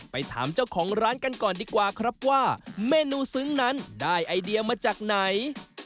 ไปถามเจ้าของร้านกันก่อนดีกว่าครับว่าเมนูซึ้งนั้นได้ไอเดียมาจากไหน